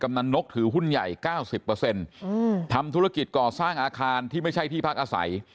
นันนกถือหุ้นใหญ่๙๐ทำธุรกิจก่อสร้างอาคารที่ไม่ใช่ที่พักอาศัย